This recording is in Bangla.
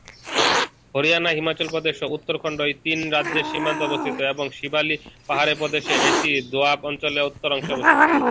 হরিয়ানা, হিমাচল প্রদেশ এবং উত্তরাখণ্ড এই তিনটি রাজ্যের সীমান্তে অবস্থিত, এবং শিবালিক পাহাড়ের পাদদেশে, এটি দোয়াব অঞ্চলের উত্তর অংশে অবস্থিত।